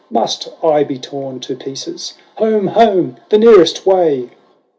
Must I be torn in pieces ? Home, home, the nearest way